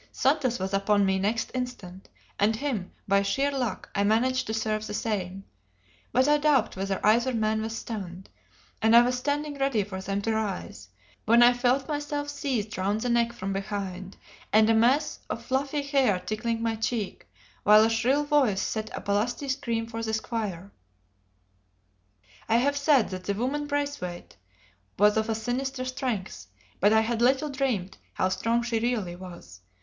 Santos was upon me next instant, and him, by sheer luck, I managed to serve the same; but I doubt whether either man was stunned; and I was standing ready for them to rise, when I felt myself seized round the neck from behind, and a mass of fluffy hair tickling my cheek, while a shrill voice set up a lusty scream for the squire. I have said that the woman Braithwaite was of a sinister strength; but I had little dreamt how strong she really was.